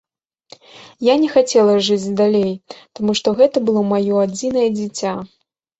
Я не хацела жыць далей, таму што гэта было маё адзінае дзіця.